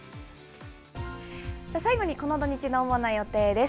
最後にこの土日の主な予定です。